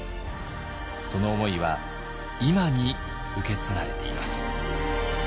その思いは今に受け継がれています。